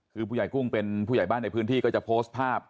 คือผู้ใหญ่กุ้งเป็นผู้ใหญ่บ้านในพื้นที่ก็จะโพสต์ภาพ